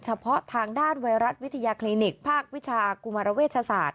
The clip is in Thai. เฉพาะทางด้านไวรัสวิทยาคลินิกภาควิชากุมารเวชศาสตร์